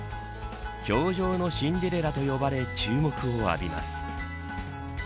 氷上のシンデレラと呼ばれ注目を浴びます。